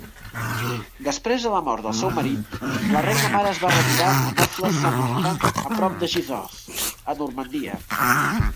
Després de la mort del seu marit, la reina mare es va retirar a Neaufles-Saint-Martin a prop de Gisors, a Normandia.